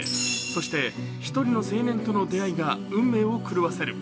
そして１人の青年との出会いが運命を狂わせる。